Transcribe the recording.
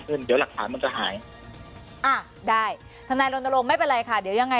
เดี๋ยวหลักฐานมันจะหายอ่าได้ทนายรณรงค์ไม่เป็นไรค่ะเดี๋ยวยังไง